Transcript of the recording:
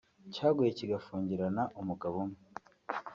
cyaguye kigafungirna umugabo umwe